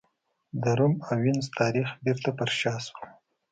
د روم او وینز تاریخ بېرته پر شا شول.